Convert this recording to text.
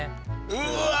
うわ